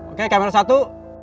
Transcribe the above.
oke kamera satu